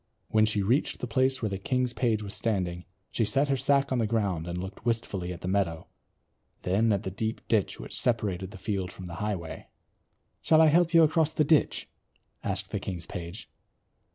When she reached the place where the king's page was standing she set her sack on the ground and looked wistfully at the meadow, then at the deep ditch which separated the field from the highway. "Shall I help you across the ditch?" asked the king's page.